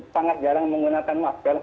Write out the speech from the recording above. sangat jarang menggunakan masker